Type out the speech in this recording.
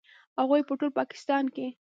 هغوی په ټول پاکستان کې